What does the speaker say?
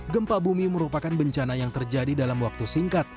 gempa bumi merupakan bencana yang terjadi dalam waktu singkat